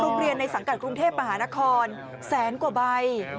เรียนในสังกัดกรุงเทพมหานครแสนกว่าใบ